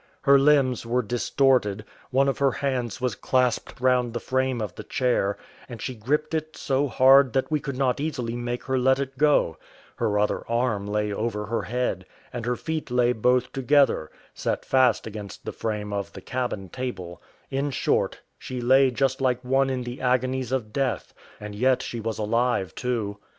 Her limbs were distorted; one of her hands was clasped round the frame of the chair, and she gripped it so hard that we could not easily make her let it go; her other arm lay over her head, and her feet lay both together, set fast against the frame of the cabin table: in short, she lay just like one in the agonies of death, and yet she was alive too.